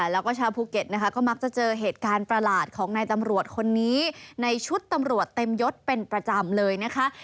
แล้วก็ชาวภูเก็ตนะคะก็มักจะเจอเหตุการณ์ประหลาดของนายตำรวจคนนี้ในชุดตำรวจเต็มยศเป็นประจำเลยนะคะ